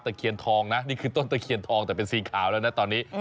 เคียนทองนะนี่คือต้นตะเคียนทองแต่เป็นสีขาวแล้วนะตอนนี้